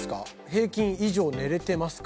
平均以上寝れてますか？